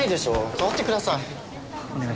代わってください。